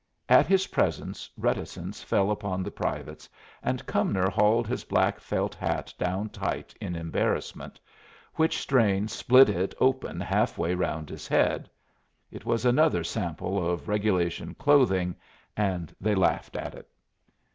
At his presence reticence fell upon the privates, and Cumnor hauled his black felt hat down tight in embarrassment, which strain split it open half way round his head. It was another sample of regulation clothing, and they laughed at it.